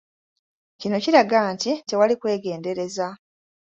Kino kiraga nti tewali kwegendereza.